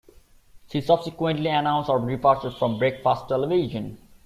She subsequently announced her departure from "Breakfast Television".